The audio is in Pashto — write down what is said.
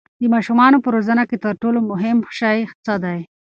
د ماشومانو په روزنه کې تر ټولو مهم شی څه دی؟